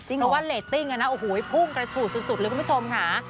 เพราะว่าเรตติ้งโอ้โหพุ่งกระฉูดสุดเลยคุณผู้ชมค่ะ